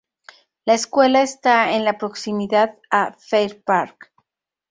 La escuela está en la proximidad a Fair Park.